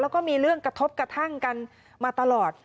แล้วก็มีเรื่องกระทบกระทั่งกันมาตลอด